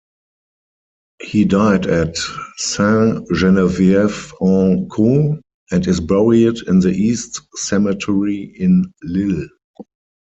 He died at Saint Genevieve-en-Caux and is buried in the East Cemetery in Lille.